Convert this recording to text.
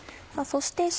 そして。